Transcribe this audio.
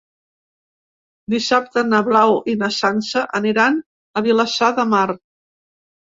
Dissabte na Blau i na Sança aniran a Vilassar de Mar.